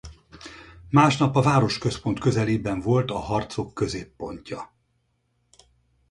Másnap a városközpont közelében volt a harcok középpontja.